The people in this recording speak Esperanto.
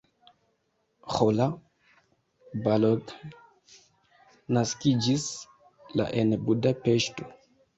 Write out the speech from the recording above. Roland Balogh naskiĝis la en Budapeŝto.